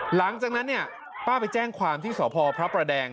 หลังจากนั้นเนี่ยป้าไปแจ้งความที่สพพระประแดง